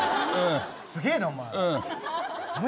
すげえな、おまえ。